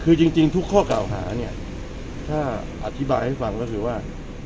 คือจริงทุกข้อกล่าวหาเนี่ยถ้าอธิบายให้ฟังก็คือว่า